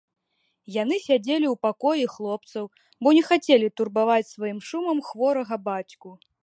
Яны сядзелі ў пакоі хлопцаў, бо не хацелі турбаваць сваім шумам хворага бацьку.